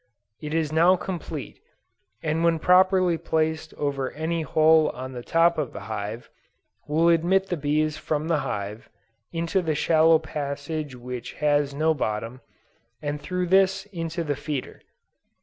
It is now complete, and when properly placed over any hole on the top of the hive, will admit the bees from the hive, into the shallow passage which has no bottom, and through this into the feeder.